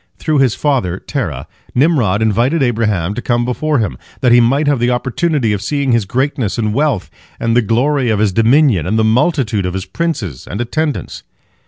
Through his father Terah, Nimrod invited Abraham to come before him, that he might have the opportunity of seeing his greatness and wealth, and the glory of his dominion, and the multitude of his princes and attendants.